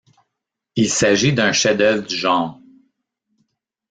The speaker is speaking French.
Il s’agit d’un chef-d’œuvre du genre.